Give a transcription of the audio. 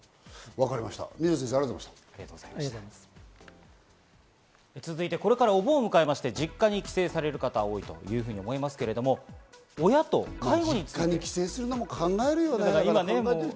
水野先生、ありがとうござい続いて、これからお盆を迎えまして実家に帰省される方多いというふうに思いますが、親と介護について。帰省するのも考えるよね。